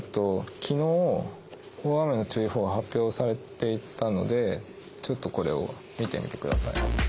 昨日大雨の注意報が発表されていたのでちょっとこれを見てみて下さいね。